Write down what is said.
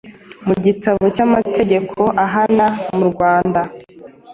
mu gitabo cy’amategeko ahana mu Rwanda,